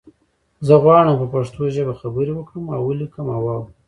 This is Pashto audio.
زه غواړم په پښتو ژبه خبری وکړم او ولیکم او وارم